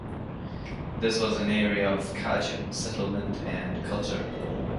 This was an area of Cajun settlement and culture.